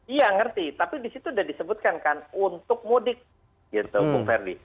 iya ngerti tapi di situ udah disebutkan kan untuk mudik gitu bung ferdi